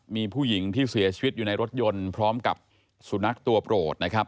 มีผู้หญิงที่เสียชีวิตอยู่ในรถยนต์พร้อมกับสุนัขตัวโปรดนะครับ